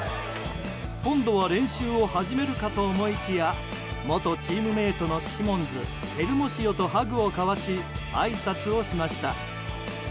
今度は練習を始めるかと思いきや元チームメートのシモンズヘルモシヨとハグを交わしあいさつをしました。